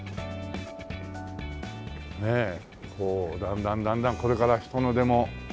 ねえこうだんだんだんだんこれから人の出も激しく。